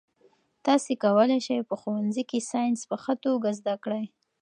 تاسي کولای شئ په ښوونځي کې ساینس په ښه توګه زده کړئ.